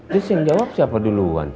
terus yang jawab siapa duluan